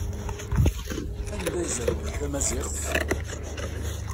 Anda ay zerwen tamaziɣt?